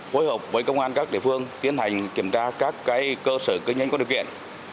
hối hợp với công an các địa phương tiến hành kiểm tra các cơ sở cơ nhanh có điều kiện